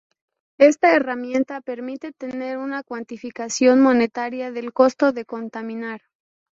Esta herramienta permite tener una cuantificación monetaria del costo de contaminar.